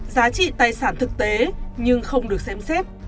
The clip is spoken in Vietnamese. giá trị tài sản thực tế nhưng không được xem xét